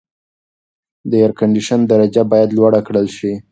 د اېرکنډیشن درجه باید لوړه کړل شي.